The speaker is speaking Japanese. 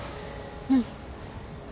うん。